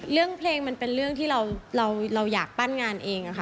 เรื่องเพลงมันเป็นเรื่องที่เราอยากปั้นงานเองค่ะ